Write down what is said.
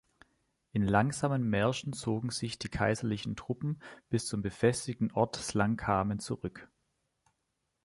In langsamen Märschen zogen sich die kaiserlichen Truppen bis zum befestigten Ort Slankamen zurück.